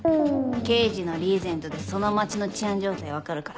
刑事のリーゼントでその街の治安状態分かるから。